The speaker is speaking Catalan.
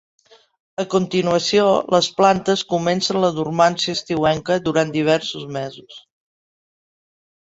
A continuació, les plantes comencen la dormància estiuenca durant diversos mesos.